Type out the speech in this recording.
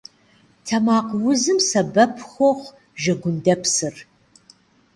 Тэмакъ узым сэбэп хуохъу жэгундэпсыр.